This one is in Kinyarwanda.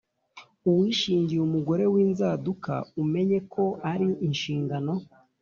uwishingiye umugore winzaduka umenye ko ari inshingano